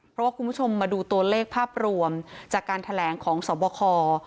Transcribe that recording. เพราะว่าคุณผู้ชมมาดูตัวเลขภาพรวมจากการแถลงของสวบค